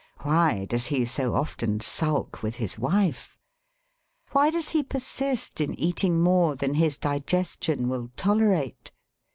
Why does he so often sulk with his wife? Why does he persist in eating more than his digestion will tolerate?